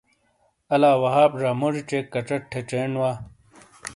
الا وہاب زا موجی چیک کچٹ تھے چینڈ وا۔